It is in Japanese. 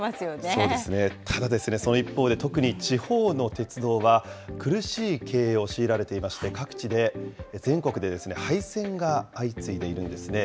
そうですね、ただですね、その一方で、特に地方の鉄道は、苦しい経営を強いられていまして、各地で、全国で廃線が相次いでいるんですね。